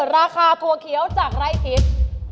ราคาถั่วเขียวจากไร่ทิพย์